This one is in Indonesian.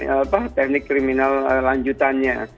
apa teknik kriminal lanjutannya